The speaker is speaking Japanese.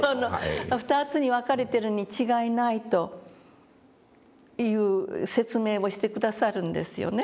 「２つに分かれてるに違いない」という説明をして下さるんですよね。